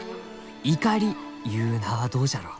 「『イカリ』ゆう名はどうじゃろう？